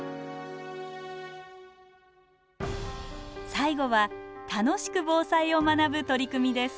最後は楽しく防災を学ぶ取り組みです。